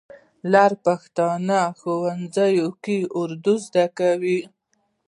لر پښتون ښوونځي کې اردو زده کوي.